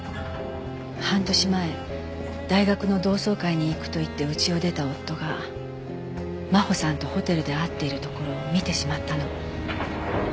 半年前大学の同窓会に行くと言ってうちを出た夫が真帆さんとホテルで会っているところを見てしまったの。